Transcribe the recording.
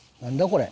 これ。